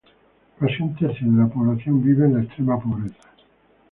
Casi un tercio de la población vive en la extrema pobreza.